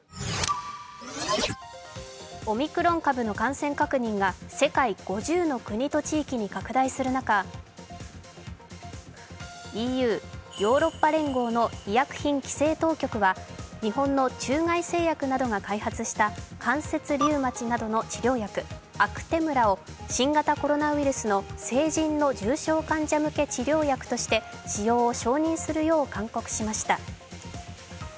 オミクロン株の感染確認が世界５０の国と地域に拡大する中、ＥＵ＝ヨーロッパ連合の医薬品規制当局は日本の中外製薬などが開発した関節リウマチなどの治療薬アクテムラを新型コロナウイルスの成人の重症患者向け治療薬として使用を承認するよう勧告しました。